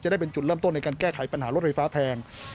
ได้เป็นจุดเริ่มต้นในการแก้ไขปัญหารถไฟฟ้าแพง